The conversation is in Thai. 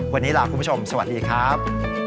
วันนี้ลาคุณผู้ชมสวัสดีครับ